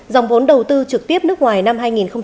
dòng vốn đầu tư trực tiếp nước ngoài năm hai nghìn một mươi năm